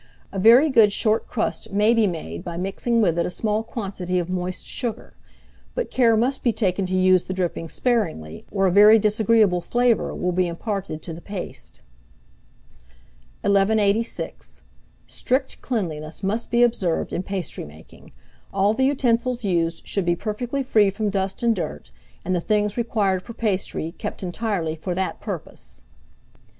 A very good short crust may be made by mixing with it a small quantity of moist sugar; but care must be taken to use the dripping sparingly, or a very disagreeable flavour will be imparted to the paste. 1186. Strict cleanliness must be observed in pastry making; all the utensils used should be perfectly free from dust and dirt, and the things required for pastry, kept entirely for that purpose.